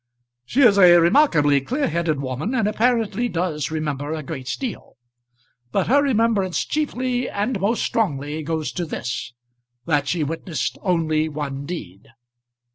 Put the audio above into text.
"She is a remarkably clear headed woman, and apparently does remember a great deal. But her remembrance chiefly and most strongly goes to this that she witnessed only one deed."